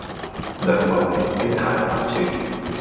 兩岸猿聲啼不住